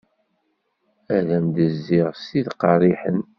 Ad m-d-zziɣ s tid qerriḥen.